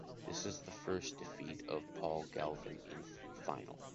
This is the first defeat of Paul Galvin in final.